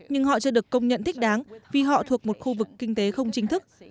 nhưng họ chưa được công nhận thích đáng vì họ thuộc một khu vực kinh tế không chính thức